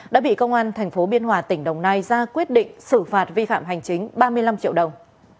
đã bị công an tp biên hòa tỉnh đồng nai ra quyết định xử phạt vi phạm hành chính ba mươi năm triệu đồng